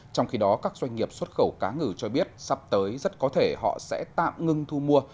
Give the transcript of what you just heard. trong khi đó các doanh nghiệp xuất khẩu cá ngừ cho biết sắp tới rất có thể họ sẽ tạm ngưng thu mua